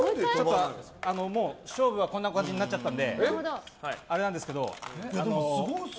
勝負はこんな感じになっちゃったんですけど。